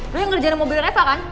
lo yang ngerjain mobil tereva kan